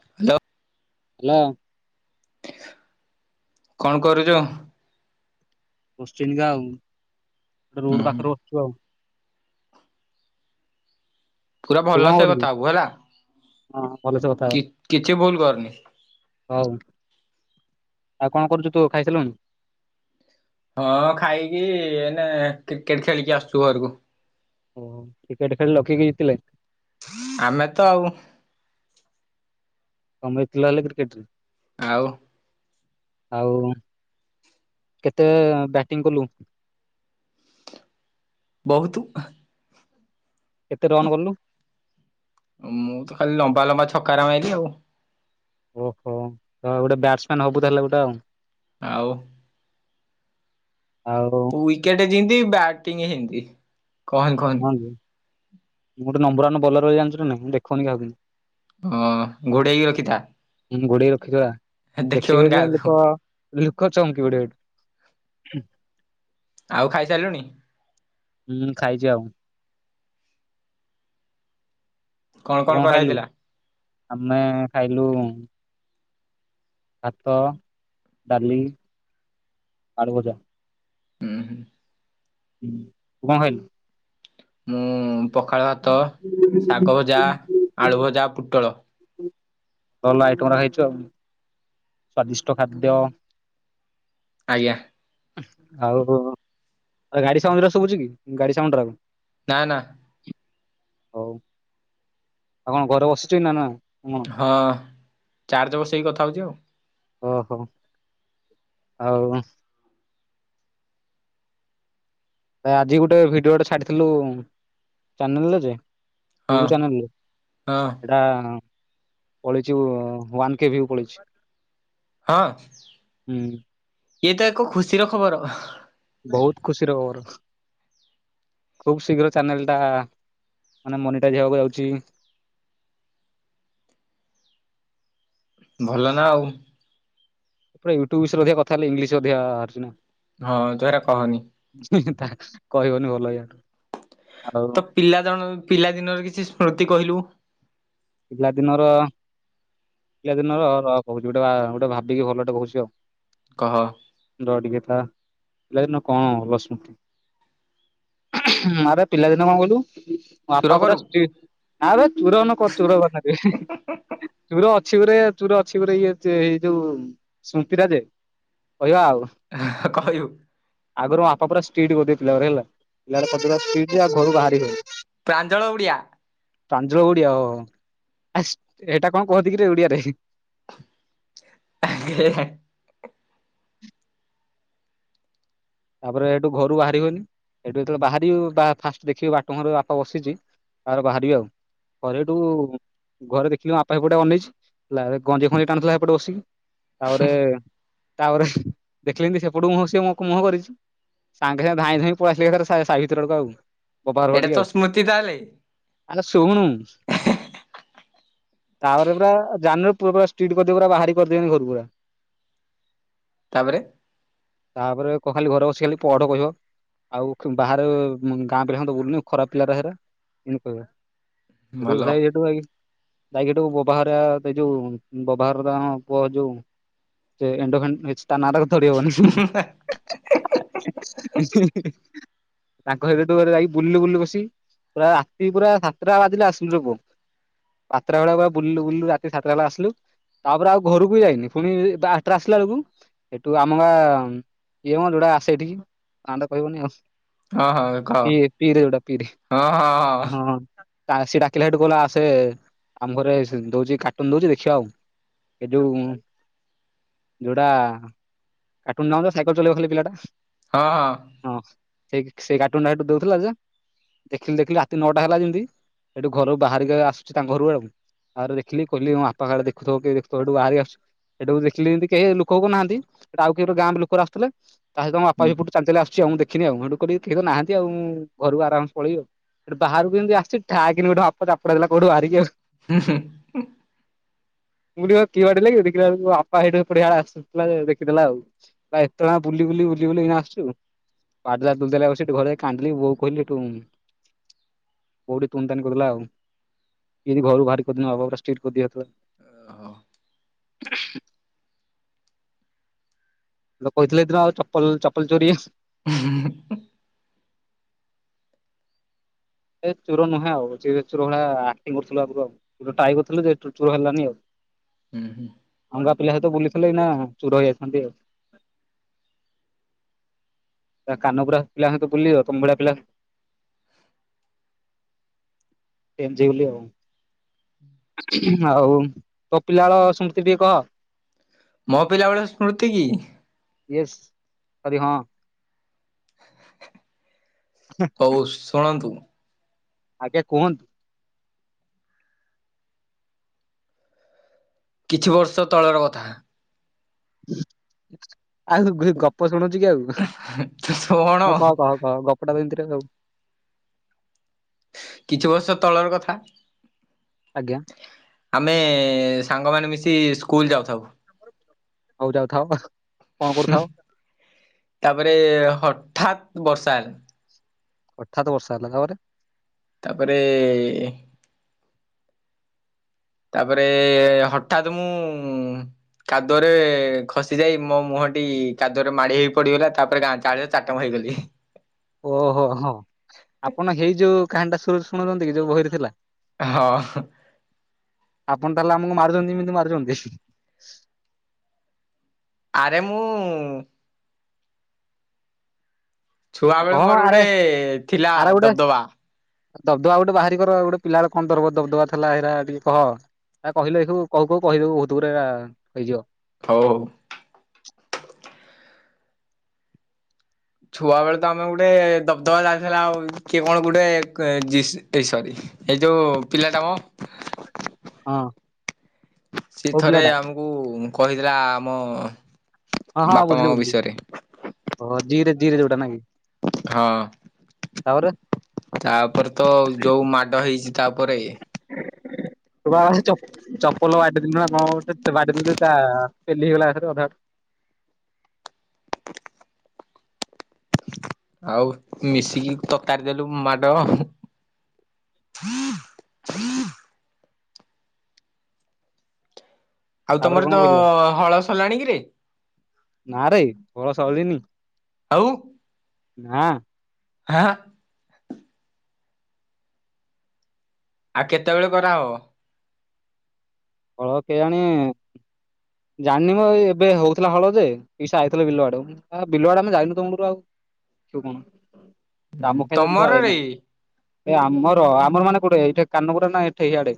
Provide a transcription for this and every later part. Hello. Hello. କଣ କରୁଚ? Question ଗାଉ ଗୋଟେ ହୁଁ ରୋଡ ପାଖରେ ବସିଛୁ ଆଉ। ପୁରା ତୁ ଭଲ କଣ ସେ କରୁଛୁ? କଥା ହବୁ ହେଲା ହଁ ଭଲସେ କଥା ହ କି କିଛି ଭୁଲ କରନି। ହଉ ଆଉ କଣ କରୁଚୁ ତୁ ଖାଇ ସାଇଲୁଣି। ହଁ ଖାଇକି ଅନେ କ୍ରିକେଟ ଖେଳିକି ଆସଚୁ ଘରକୁ। ଓହୋ କ୍ରିକେଟ ଖେଳିଲ କିଏ କିଏ ଜିତିଲେ। ଆମେ ତ ଆଉ। ତମେ ଜିତିଲ ବେଲି କ୍ରିକେଟ ରେ। ଆଉ। ଆଉ କେତେ ବ୍ୟାଟିଂ କଲୁ। ବହୁତୁ। କେତେ ରନ କଲୁ? ମୁଁ ତ ଖାଲି ଲମ୍ବା ଲମ୍ବା ଛକାରା ମାଇଲି ଆଉ। ଓହୋ ତ ଗୋଟେ ବ୍ୟାଟସ୍ ମ୍ୟାନ ହବୁ ତାହେଲେ ଗୋଟେ ଆଉ। ଆଉ? ଆଉ ୱିକେଟ୍ ଜିନ୍ତି ବ୍ୟାଟିଂ ହେନ୍ତି। ହଁ କି ମୁଁ ଗୋଟେ ନମ୍ବର୍ ୱାନ୍ ବୋଲର୍ ବେ ଜାଣିଚୁ ନାଁ ନାଇଁ ମୁଁ ଦେଖଉନି କାହାକୁ କିନ୍ତୁ। ହ ଘୋଡ଼େଇକି ରଖିଥା। ଉଁ ଘୋଡ଼େଇ ରଖିଦବା ଦେଖିବେ ଦେଖିବୁନି କାହାକୁ ଯଦି ବା ଲୋକ ଲୋକ ଚମକି ପଡ଼ିବେ ହେଟୁ। ଆଉ ଖାଇସାରଲୁଣି? ହୁଁ ଖାଇଛି ଆଉ। କଣ ଉ କଣ ଅଁ ଖାଇଲୁ କରାହେଇଥିଲା? ଆମେ ଖାଇଲୁ ଭାତ, ଡାଲି, ଆଳୁ ଭଜା। ଉଁ ହୁଁ। ତୁ କଁ ଖାଇଲୁ? ମୁଁ ପଖାଳ ଭାତ ଶାଗ ଭଜା ଆଳୁ ଭଜା ପୁଟଳ। ଭଲ ଆଇଟମ୍ ରା ହେଇଚ। ସ୍ଵାଦିଷ୍ଟ ଖାଦ୍ୟ। ଆଜ୍ଞା। ଆଉ ଆରେ ଗାଡ଼ି ସାଉଁଜ୍ ରା ଶୁବୁଚି କି ଗାଡ଼ି ସାଉଣ୍ଡ୍ ରାକ। ନାଁ ନାଁ। ହଉ ଆଉ କଣ ଘରେ ବସିଚୁଇ ନାଁ ନାଁ? ଅ ଚାର୍ଜ ବସେଇକି କଥା ହଉଚି ଆଉ। ଅହ। ଆଉ ଭାଇ ଆଜି ଗୋଟେ ଭିଡି଼ଓଟେ ଛାଡ଼ିଥିଲୁ ଚ୍ୟାନେଲ୍ ରେ ଯେ। ୟୁଟୁ ହଁ ଚ୍ୟାନେଲ୍ ରେ। ହଁ ତା ପଳେଇଚି ୱାନ୍ କେ ଭିଉ ପଳେଇଚି। ହଁ ହୁଁ ଇଏ ତ ଏକ ଖୁସିର ଖବର। ବହୁତ ଖୁସିର ଖବର। ଖୁବ୍ ଶୀଘ୍ର ଚ୍ୟାନେଲ୍ ଟା ମାନେ ମନିଟାଇଜ୍ ହେବାକୁ ଯାଉଛି। ଭଲ ନାଁ ଆଉ। ପରେ ୟୁଟୁବ୍ ବିଷୟରେ ଅଧିକ କଥା ହେଲେ ଇଂଲିଶ ଅଧିକା ବାହାରୁଚି ନାଁ? ହଁ ତୁ ହେରା କହନି। ତାହା କହିବନି ଭଲ ଇଅ ଆଉ ତ ପିଲା ଜଣ ପିଲା ଦିନର କିଛି ସ୍ମୃତି କହିଲୁ। ପଲା ଦିନର ପିଲା ଦିନର ର କହୁଚି ଗୋଟେ ବା ଗୋଟେ ଭାବିକି ଭଲୋଟେ କହୁଚି ଆଉ। କହ। ର ଟିକେ ଥା ପିଲା ଦିନ କଁ ଭଲ ସ୍ମୃତି? ଆରେ ପିଲାଦିନ କଁ କଇଲୁ ମୋ ଚୁର ବାପା ପୁରା କରୁ ଷ୍ଟ୍ରିଟ୍ ନାଁ ବେ ଚୁର ନ କ ଚୁର କଥା କଇ ଚୁର ଅଛି ଗୁରେ ଚୁର ଅଛି ଗୁରେ ଇଏ ଚେ ଏଇ ଯୋଉ ସ୍ମୃତିରା ଯେ କହିବା ଆଉ। ଆ କହିବୁ। ଆଗୁରୁ ବାପା ପୁରା ସ୍ଟିଟ୍ କରି ଦଉଥିଲା ପିଲାଗୁରା ହେଲା। ପିଲାଗୁଡା [unintelligible] [unintelligible] ଘରୁ ବାହାରି ହଉ, ପ୍ରାଞ୍ଜଳ ଉଡିଆ ପ୍ରାଞଜଳ ଓଡିଆ ଓ। ଆ ଏଇଟା କଣ କୁହନ୍ତି କିରେ ଓଡିଆରେ? [unintelligible] ତାପରେ ସେଠୁ ଘରୁ ବାହାରିିବନି, ସେଠୁ ଯେତେବେଳେ ବାହାରିବ ଫାଷ୍ଟ ଦେଖିବି ବାଟ ଘର ବାପା ବସିଛି। ତାପରେ ବାହାରିବି ଆଉ। ଘରେ ଏଇଠୁ ଘରେ ଦେଖିଲି ବାପା ଏପଟେ ଅନେଇଛି ହେଲା। ଗଞ୍ଜେଇ ଫଞ୍ଜେଇ ଟାଣୁଥିଲା ଏପଟେ ବସିକି। ତାପରେ ତାପରେ ଦେଖିଲେ ଯେମିତି ସେପଟୁକୁ ମୁହଁ ସିଏ ମୁହଁ କରିଛି। ସାଙ୍ଗେ ସାଙ୍ଗେ ଧାଇଁ ଧାଇଁ ପଳେଇ ଆସିଲେ ଏକାଥରେ ସାହି ଭିତର ଲୋକ ଆଉ, ତ [unintelligible] ଆଉ ସ୍ମୃତି ତାହେଲେ ଆଲୋ ସୁଣୁ? ତାପରେ ପୁରା ଜାନୁର ପୁଅ ପୁରା ଷ୍ଟିଟ କରିଦେବେ ପୁରା ବାହାରି କରିଦେବନି ଘରୁ ପୁରା। [inaudible] ତାପରେ? ତାପରେ ଖାଲି ଘରେ ବସିକି ଖାଲି ପଢ଼ କହିବ। ଆଉ ଖୁଁ ବାହାରେ ଉଁ ଗାଁ ପିଲାଙ୍କ ସହିତ ବୁଲ୍ ନି। ଖରାପ୍ ପିଲାରା ହେରା। ଏମିତି କହିବ। [unintelligible] ଭଲ ହଁ ଯାଇକି ହେଠୁ ବବା ଘର, ସେ ଯୋଉ ବବା ଘର ଟା ହଁ ପୁଅ ଯୋଉ ସେ ଇଣ୍ଡୋଖାନ୍ ଏଚ୍ ତା ନାଁ ଟାକୁ ଧରିହବନି। ହେଁ -ହାଁ -ହାଁ -ହେଁ -ଉଁ -ହୁଁ- ହୁଁ। ତାଙ୍କ ଘରେ ହେଟୁ ଗୁରେ ଯାଇକି ବୁଲିଲୁ ବୁଲିଲୁ ବସି ପୁରା ରାତି ପୁରା ସାତ ଟା ବାଜିଲା ଆସିଲୁୁରେ ପୁଅ। ସାତଟା ବେଳେ ବା ବୁଲିଲୁ ବୁଲିଲୁ, ରାତି ସାତଟା ବେଳେ ଆସିଲୁ। ତାପରେ ଆଉ ଘରକୁ ବି ଯାଇନି। ଫୁଣି ବାଟେରେ ଆସିଲା ବେଳୁକୁ ସେଠୁ ଆମେ ଇଏ ମ ଯୋଉଟା ଆସେ ଏଠିକି। ନାଁ ଟା କହିହଉନି ଆଉ। ହଁ କହ ପି- ପି ରେ ଯୋଉଟା ପି ରେ ହଁ ହଁ ହଁ। ତା ସିଏ ଡାକିଲା ସେଠୁ କହିଲା ଆସେ, ଆମ ଘରେ ସି ଦଉଚି କାର୍ଟୁନ୍ ଦଉଚି ଦେଖିବା ଆଉ। ଏ ଯୋଉ ଯୋଉଟା କାର୍ଟୁନ୍ ନୁହଁ ତ ସାଇକଲ୍ ଚଲେଇବ ଖାଲି ପିଲାଟା? ହଁ- ହଁ। ହଁ ସେଇ ସେଇ କାର୍ଟୁନ୍ ଟା ହେଠୁ ଦଉଥିଲା ଯେ ଦେଖିଲି ଦେଖିଲି ରାତି ନଅଟା ହେଲା ଯେମିତି, ସେଠୁ ଘରୁ ବାହାରିକି ଆସୁଛି ତାଙ୍କ ଘରୁ ଆଉ ତାପରେ ଦେଖିଲି କିହିଲି ମୋ ବାପା କାଳେ ଦେଖୁଥବ କି ଦେଖିଦେବ, ହେଠୁ ବାହାରିକି ଆସୁ ସେଇଟୁ ଦେଖିଲି ଯେମତି କେହି ଲୋକ ଫୋକ ନାହାନ୍ତି, ସେଟା ଆଉ କିଏ ଗୋଟେ ଗାଁରୁ ବି ଲୋକ ଗୁରେ ଆସୁଥିଲେ ତା ସହିତ ମୋ ବାପା ବି ଚାଲି ଚାଲି ଆସୁଛି ଆଉ। ମୁଁ ଦେଖିନି ଆଉ ହେଠୁ ମୁଁ ଦେଖିଲି କେହି ତ ନାହାଁନ୍ତି। ଆଉ ମୁଁ ଘରକୁ ଆରାମ୍ ସେ ପଳେଇବି ଆଉ। ହେଠୁ ବାହାରକୁ ଯେମିତି ଆସିଛି, ଠାଇ କିନି ଗୋଟେ ମୋ ବାପା ଚାପୁଡ଼ା ଦେଲା କୋଉଠୁ ବାହାରିକି ଆଉ। ହୁଁ- ହୁଁ। ମୁଁ ଟିକେ କିଏ ବାଡ଼େଇଲା କି? ଦେଖିଲ ଆଳୁକୁ ମୋ ବାପା ହେଇଠୁ ଏକୁଟିଆ ଆସୁଥିଲା ଯେ ଦେଖ୍ ଦେଖି ଦେଲା ଆଉ। କହିଲା ଏତେ ବେଳ ଯାଏଁ ବୁଲି ବୁଲି ବୁଲି ବୁଲି ଏଇନା ଆସୁଛୁ। ବାଡ଼େଇଲା ଦୁଲଦାଲିଆ କଶିକି, ଘରେ ଯାଇକି କାନ୍ଦିଲି ବୋଉକୁ କହିଲି ହେଟୁ ବୋଉ ଟିକେ ତୁନତାନି କରି ଦେଲା ଆଉ। ସିଏ ବି ଘରୁ ବାହାରିକି କୋଉ ଦିନ ଆଉ ବୋଉ ପୁରା ଷ୍ଟ୍ରୀଡ୍ କରି ଦିଏ ପୁରା। ଏ ହଁ। [inaudible] [unintelligible] କହିଥିଲେ ହେ ଦିନ ଆଉ ଚପଲ୍ ଚପଲ୍ ଚୋରୀ [unintelligible] ଏ ଚୋର ନୁହେଁ ଆଉ। ସିଏ ବି ଚୋର ଭଳିଆ ଆକ୍ଟିଙ୍ଗି କରୁଥୁଲ ଆଗରୁ ଆଉ। ଯୁ ଟ୍ରାଏ କରୁଥିଲୁ ଯେ ଚୁ ଚୁ ହେଲାନି ଆଉ। ହୁଁ ହୁଁ। ଆମ ଗାଁ ପିଲା ସହିତ ବୁଲିଥିଲେ ଏଇନା ଚୁର ହେଇ ଯାଇଥାନ୍ତି ଆଉ। ତା କାନ ପୁରା ପିଲାଙ୍କ ସହିତ ତୁ ବୁଲିବୁ ତମ ଭଳିଆ ପିଲା ଏମଜି ବୁଲି ଆଉ। ଆଉ ତୋ ପିଲାବେଳେ ସ୍ମୃତି ଟିକେ କହ? ମୋ ପିଲାବେଳେର ସ୍ମୃତି କି? ୟେସ୍ ସରି ହଁ। ହୋଉ ଶୁଣନ୍ତୁ? ଆଜ୍ଞା କୁହନ୍ତୁ। କିଛି ବର୍ଷ ତଳର କଥା। ଆଉ ଗପ ଶୁଣଉଛୁ କି ଆଉ କଣ ହଉ କହ କହ କହ ଗପଟା ତ ଏମିତିରେ ଆଉ। କିଛି ବର୍ଷ ତଳର କଥା। ଆଜ୍ଞା। ଆମେ ସାଙ୍ଗମାନେ ମିଶି ସ୍କୁଲ୍ ଯାଉଥାଉ। ହଉ ଯାଉଥାଅ। କଣ କରୁଥାଅ ତାପରେ ହଠାତ୍ ବର୍ଷା ହେଲା। ହଠାତ ବର୍ଷ ହେଲା ତା ପରେ। ତାପରେ ତାପରେ ହଠତ୍ ମୁଁ କାଦୁଅରେ ଖସି ଯାଇ ମୋ ମୁହଁଟି କାଦୁଅରେ ମାଡ଼ି ହେଇ ପଡିଗଲା ତାପରେ ଗାଁ ଚାଳି ଚାଟାଣ ହେଇଗଲି। ଓହୋ ହୋ ଆପଣ ହେଇ ଯୋଉ କାହାଣୀଟା ଶୁ ଶୁ ଶୁଣଉଛନ୍ତି କି ଯୋଉ ବହିରେ ଥିଲା? ହଁ। ଆପଣ ତାହେଲେ ଆମକୁ ମାରୁଛନ୍ତି ଏମିତି ମାରୁଛନ୍ତି। ଆରେ ମୁଁ ଛୁଆବେେଳେ କହ ମୋର ଆରେ ଗୋଟେ ଥିଲା ଆରେ ଗୋଟେ ଦବଦବା। ଦବଦବା ଗୋଟେ ବାହାରି କର ଗୋଟେ ପିଲା ବେଳେ କଣ ଦରବ ଦବଦବା ଥିଲା ହେଇରା ଟିକେ କହ? ଆ କହିଲେ ଦେଖିବୁ କହୁ କହୁ କହିଦେବୁ ବହୁତ ଗୁରା ହେଇଯିବ। ହଉ ହଉ। ଛୁଆ ବେଳେ ତ ଆମେ ଗୋଟେ ଦବଦବା ଯାଇଥିଲା ଆଉ କିଏ କଣ ଗୋଟେ ଜିଶି ଏ ସରି। ଏ ଯୋଉ ପିଲା ଟା ମ। ହଁ ସେ କୋଉ ଥରେ ପିଲାଟା ଆମକୁ କହିଦେଲା ଆମ ବାପା ମା ବିଷୟରେ। ଓହ ଜିରେ ଜିରେ ଯୋଉଟା ନା କି। ହଁ। ତାପରେ ତ ଯୋଉ ମାଡ ହେଇଛି ତାପରେ ହ ତୁ ବା ଚପ ଚପଲ ବାଡେଇଦେଲି ନୁହଁ କଣ ଗୋଟେ ବାଡିଦେଲି ତା ପେଲି ହେଇଗଲା ଏକାଥରେ ଅଧାବାଟ। ଆଉ ମିଶିକି ତରକାରୀ ଦେଲୁ ମାଡ ଆ ଆଉ ତାପରେ ତମର କଣ ତ କହିଲ ହଳସରିଲାଣି କିରେ? ନାଁରେ ହଳ ସରିନି। ଆଉ ନାଁ। ହାଁ ଆ। ଆଉ କେତବେଳେ କରାହବ। କଳ କେଆଣି ଜାଣିନି ମ ଏ ଏବେ ହଉଥିଲା ହଳ ଯେ ପିଇସା ଆଇଥିଲେ ବିଲ ଆଡ ଉଁ ଅଁ ବିଲ ଆଡେ ଆମେ ଯାଇନୁ ତ ମୂଳରୁ ଆଉ ତୁ କଣ? କାମ ଖାଇଲା [unintelligible] ତମରରେ ଏଇମାନେ ଏ ଆମର ଆମର ମାନେ କୋଉଟେ ଏଇଠେ କାନମୋଟ ନାଇ ଠେଇଆଡେ।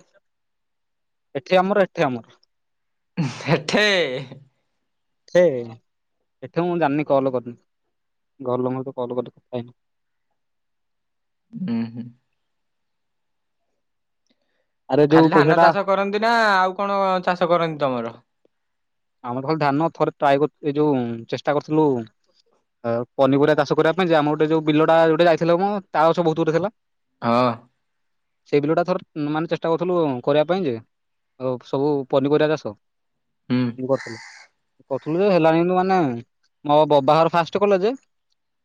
ଏଠି ଆମର ଏଠେ ଆମର। ହେଠେ ସେ ଏଠେ ମୁଁ ଜାଣିନି କଲ କରିନି। ଘର ଲୋଙ୍କର ତ କଲ [unintelligible] କାଇଁ? ଡିହି ଆରେ ଯୋଉ ଖାଲି ପଇସା ଧାନ ଟା ଚାଷ କରନ୍ତି ନା ଆଉ କଣ ଚାଷ କରନ୍ତି ତମର? ଆମର ତ ଖାଲି ଧାନ ଥରେ ଟ୍ରାଏ କରୁ ଏ ଯୋଉ ଚେଷ୍ଟା କରୁଥିଲୁ ଆ ପନିରିବା ଚାଷ କରିବା ପାଇଁ ଯେ ଆମର ଗୋଟେ ଯୋଉ ବିଲଟା ଯୋଟେ ଯାଇଥିଲା ମୁଁ ତାଳ ଗଛ ବହୁତ ଗୋଟେ ଥିଲା। ହଁ। ସେଇ ବିଲ ଟା ଥରେ ମାନେ ଚେଷ୍ଟା କରୁଥିଲୁ କରିବା ପାଇଁ ଯେ ଆଉ ସବୁ ପନିପରିବା ଚାଷ? ହୁଁ ମୁଁ କରିଥେଲି। ତୁ କରଥୁଲୁ ଯେ ହେଲାଣେଇ ବୋଲି ମାନେ ମୋ ଦଦାଘର ଫାଷ୍ଟ୍ କଲେ ଯେ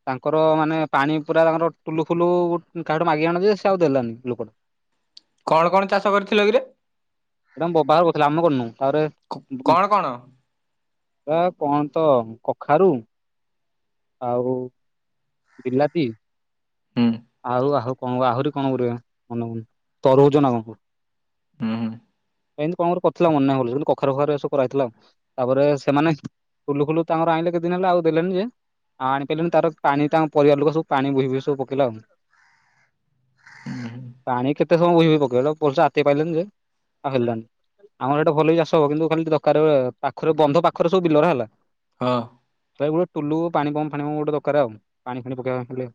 ତାଙ୍କର ମାନେ ପାଣି ପୁରା ତାଙ୍କର ଟୁଲୁ ଫୁଲୁ କାହାକୁ ଗୋଟେ ମାଗିକି ଆଣନ୍ତି ଯେ ସେ ଆଉ ଦେଲାନି ଲୋକଟା। କଣ କଣ ଚାଷ କରିଥିଲ କିରେ? ଏ ତାଙ୍କ ବୋବାଘର କରୁଥିଲେ ଆମେ କରିନୁ ତାପରେ କଣ କଣ? ଆ କଣ ତ କଖାରୁ? ଆଉ ବିଲାତି। ହୁଁ। ଆଉ ଆହୁ କଣ ଆହୁରି କଣ ଗୁରେ ମନେ ପଡୁନି। ତରୁଭୁଜ ନା କଣ କୁଅ? ହୁଁ ହୁଁ ଏମିତି କଣଗୁରେ କରିଥିଲା ମନେ [unintelligible] କିନ୍ତୁ କଖାରେ ଫଖାରୁ ଏସବୁ କରାହଉଥିଲା ଆଉ। ତାପରେ ସେମାନେ ଫୁଲୁ ଫୁଲୁ ତାଙ୍କର ଆଇଁଲେ କେତ୍ ଦିନ ହେଲା ଆଉ ଦେଲେନି ଯେ ଆଣି ପାଇଲୁନି ତାର ପାଣି ତାଙ୍କ ପରିବାର ଲୋକ ସବୁ ପାଣି ବୋହି ବୋହି ସବୁ ପକେଇଲା ଆଉ। ଉଁ ହୁଁ। ପାଣି କେତେ ସମୟ ବୋହି ବୋହି ପକେଇଲା ପଇସା ଆତେ ପାଇଲାନି ଯେ ଆଉ ହେଲାନି। ଆମର ଏଇଟା ଭଲଇ ଚାଷ ହବ କିନ୍ତୁ ଖାଲି ଟିକେ ଦରକାର ରେ ପାଖରେ ବନ୍ଧ ପାଖରେ ସବୁ ବିଲର ହେଲା। ହଁ। ତା [unintelligible] ଟୁଲୁ ପାଣି ପମ୍ପ ଫାଣି ପମ୍ପ ଗୋଟେ ଦରକାର ଆଉ ପାଣି ଫାଣି ପକେଇବାକୁ ହେଲେ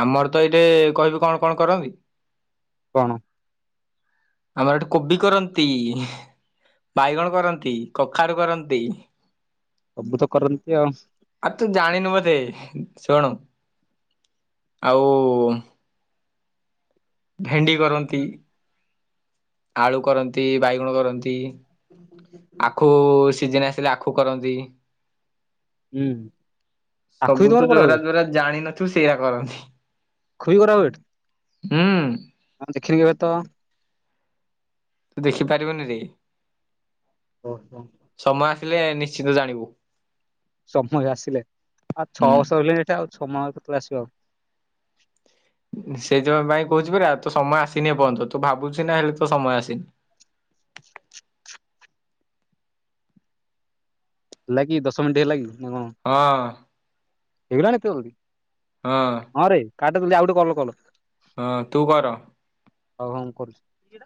ଆମର ତ ଏଇଠେ କହିବି କଣ କଣ କରନ୍ତି? କଣ? ଆମର ଏଠି କୋବି କରନ୍ତି। ବାଇଗଣ କରନ୍ତି, କଖାରୁ କରନ୍ତି। ସବୁ ତ କରନ୍ତି ଆଉ। ଆଉ ତୁ ଜାଣିନୁ ବୋଧେ ଶୁଣୁ ଆଉ ଭେଣ୍ଡି କରନ୍ତି। ଆଳୁ କରନ୍ତି, ବାଇଗଣ କରନ୍ତି, ଆଖୁ ସିଜନ ଆସିଲେ ଆଖ୍ ଖୁ କରନ୍ତି। ହୁଁ ଆଖୁ ବି ସବୁ ତମର ତ ଯୋଉରା କରାହୁଏ ଯୋଉରା ଜାଣିିନଥିବୁ ସେଇଆ କରନ୍ତି। ଖୋଇ କରାବେଟ୍ ହୁଁ। ଆମେ ଦେଖିନୁ କେବେତ। ତୁଦେଖି ପାରିବୁନିରେ। ଓହୋ। ସମୟ ଆସିଲେ ନିଶ୍ଚିତ ଜାଣିବୁ। ସମୟ ଆସିଲେ ଆଉ ଛଅ ହୁଁ ବର୍ଷ ରହିଲାଣି ଏଟା ଆଉ ସମୟ କେତେବେଳେ ଆସିବ ଆଉ। ସେଇଜଉ ପାଇଁ କହୁଚି ପରା ଆଉ ତସମୟ ଆସିନି ଏପଯ୍ୟନ୍ତ ତୁଭାବୁଚୁନା ହେଲେ ତସମୟ ଆସିନି। ହେଲାକି ଦଶମିଣ୍ଟି ହେଲାକି ନାକଣ। ହଁ। ହେଇଗଲାଣି ଏତେ ଜଲ୍ଦି। ହଁ। ହଁରେ କାଟେ ଜଲ୍ଦି ଆଉଗୋଟେ କଲ୍ କର। ହଁ ତୁକର। ଆଉ ହଁ କରୁଚି।